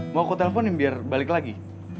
mau ke teleponin biar balik lagi